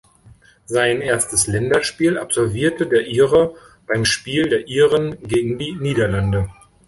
Sein erstes Länderspiel absolvierte der Ire beim Spiel der Iren gegen die Niederlande.